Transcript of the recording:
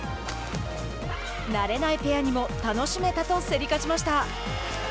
慣れないペアにも楽しめたと競り勝ちました。